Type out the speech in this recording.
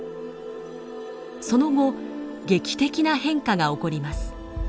その後劇的な変化が起こります。